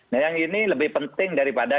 nah yang ini lebih penting daripada